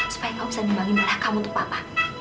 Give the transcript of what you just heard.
supaya kamu bisa nimbangin darah kamu untuk papa